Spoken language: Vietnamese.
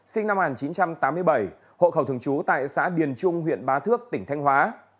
sinh năm một nghìn chín trăm tám mươi bảy hộ khẩu thường trú tại xã điền trung huyện ba thước tỉnh thanh hóa